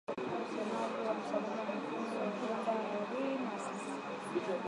Msemaji wa Msalaba Mwekundu wa Uganda Irene Nakasita aliwaambia waandishi wa habari